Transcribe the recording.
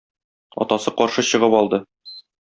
Атасы каршы чыгып алды.